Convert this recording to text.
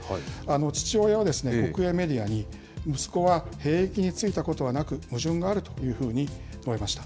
父親は国営メディアに、息子は兵役に就いたことはなく、矛盾があるというふうに述べました。